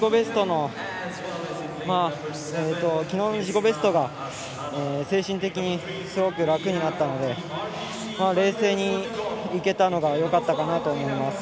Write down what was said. きのうの自己ベストが精神的にすごく楽になったので冷静にいけたのがよかったかなと思います。